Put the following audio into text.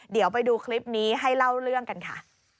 เดี๋ยวไปดูคลิปนี้ให้เล่าเรื่องกันค่ะ